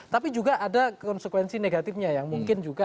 tapi juga ada konsekuensi negatifnya yang mungkin juga